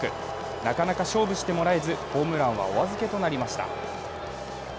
なかなか勝負してもらえず、ホームランはお預けとなりました。